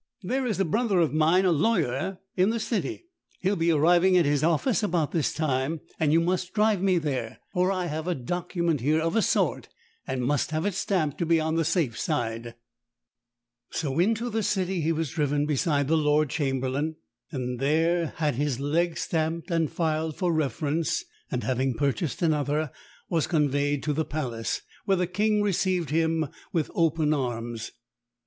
"There's a brother of mine, a lawyer, in the city. He will be arriving at his office about this time, and you must drive me there; for I have a document here of a sort, and must have it stamped, to be on the safe side." So into the city he was driven beside the Lord Chamberlain, and there had his leg stamped and filed for reference; and, having purchased another, was conveyed to the Palace, where the King received him with open arms.